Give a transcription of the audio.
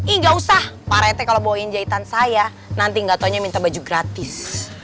eh gak usah pak rete kalau bawain jahitan saya nanti gak taunya minta baju gratis